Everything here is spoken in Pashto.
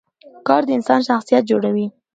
کار د انسان شخصیت جوړوي